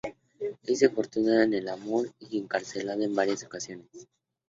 Es desafortunado en el amor y encarcelado en varias ocasiones.